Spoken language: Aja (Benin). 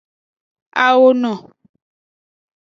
Awono.